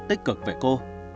tích cực về cô